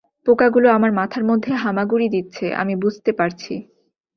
পোকাগুলো আমার মাথার মধ্যে হামাগুড়ি দিচ্ছে আমি বুঝতে পারছি।